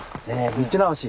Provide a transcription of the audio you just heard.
道直し？